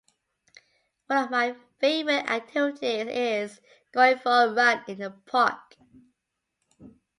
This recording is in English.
One of my favorite activities is going for a run in the park.